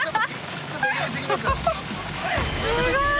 すごい！